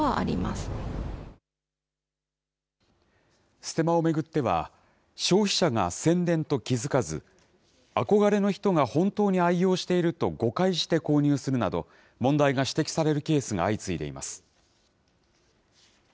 ステマを巡っては、消費者が宣伝と気付かず、憧れの人が本当に愛用していると誤解して購入するなど、問題が指摘されるケースが相次いでいます。